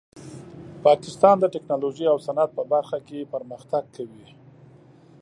پاکستان د ټیکنالوژۍ او صنعت په برخه کې پرمختګ کوي.